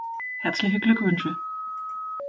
Herzliche Glückwünsche.